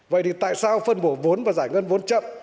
vậy thì tại sao phân bổ vốn và giải ngân vốn chậm